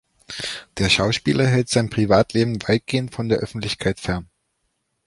Der Schauspieler hält sein Privatleben weitgehend von der Öffentlichkeit fern.